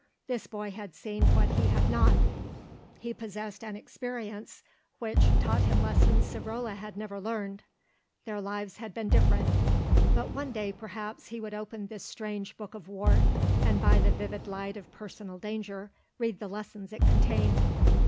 This boy had seen what he had not; he possessed an experience which taught him lessons Savrola had never learned. Their lives had been different; but one day perhaps he would open this strange book of war, and by the vivid light of personal danger read the lessons it contained.